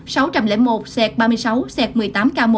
sáu đứa trẻ sinh năm hai nghìn một mươi chín